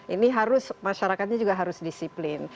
ini harus masyarakatnya juga harus disiplin